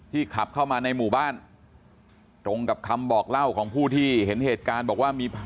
ขับเข้ามาในหมู่บ้านตรงกับคำบอกเล่าของผู้ที่เห็นเหตุการณ์บอกว่ามี